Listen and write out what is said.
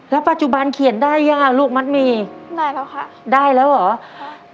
แล้วปัจจุบันเขียนได้ยังอ่ะลูกมัดหมี่ได้แล้วค่ะได้แล้วเหรอ